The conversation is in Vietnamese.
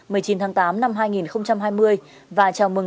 và chào mừng các lực lượng công an nhân dân